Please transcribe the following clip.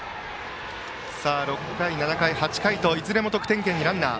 ６回、７回、８回といずれも得点圏にランナー。